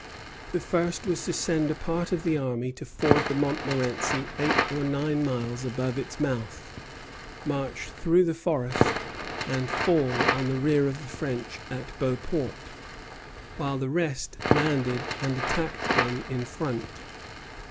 The first was to send a part of the army to ford the Montmorenci eight or nine miles above its mouth, march through the forest, and fall on the rear of the French at Beauport, while the rest landed and attacked them in front.